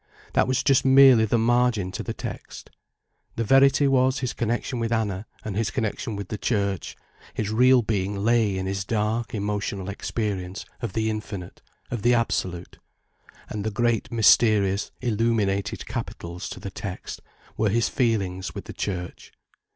That was just merely the margin to the text. The verity was his connection with Anna and his connection with the Church, his real being lay in his dark emotional experience of the Infinite, of the Absolute. And the great mysterious, illuminated capitals to the text, were his feelings with the Church.